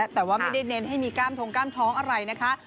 แต่ว่าไม่ได้เน้นให้มีกล้ามทงกล้ามท้องอะไรนะคะ